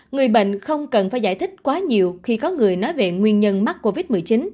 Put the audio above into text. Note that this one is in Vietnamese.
người bệnh không cần phải giải thích quá nhiều khi có người nói về nguyên nhân mắc covid một mươi chín